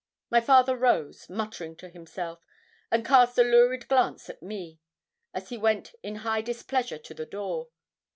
My father rose, muttering to himself, and cast a lurid glance at me, as he went in high displeasure to the door.